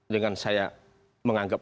dengan saya menganggap